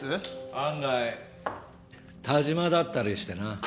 案外但馬だったりしてな。